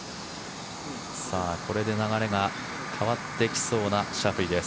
これで流れが変わってきそうなシャフリーです。